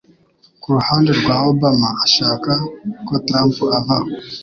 Kuruhande rwa obama ashaka ko trump avaho